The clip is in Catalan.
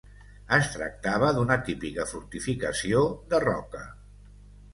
Es tractava d'una típica fortificació de roca.